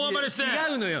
違うのよ。